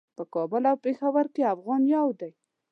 په کابل او پیښور کې افغان یو دی.